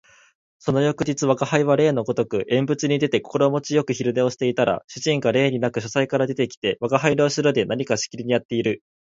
その翌日吾輩は例のごとく縁側に出て心持ち善く昼寝をしていたら、主人が例になく書斎から出て来て吾輩の後ろで何かしきりにやっている